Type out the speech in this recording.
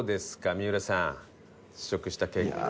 三浦さん試食した結果。